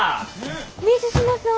水島さん。